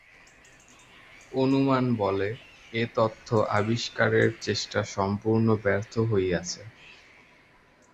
অনুমান-বলে এ তত্ত্ব আবিষ্কারের চেষ্টা সম্পূর্ণ ব্যর্থ হইয়াছে।